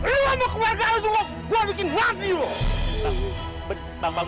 eh lam lu kalau nabrak bertanggung jawab dong eh lam kalau sampai kenapa napa yang